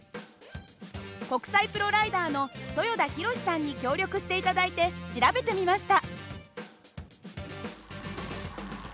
国際プロライダーの豊田浩史さんに協力して頂いて調べてみました。